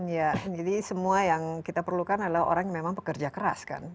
ya jadi semua yang kita perlukan adalah orang yang memang pekerja keras kan